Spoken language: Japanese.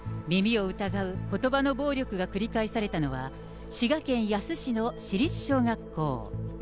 耳を疑うことばの暴力が繰り返されたのは、滋賀県野洲市の市立小学校。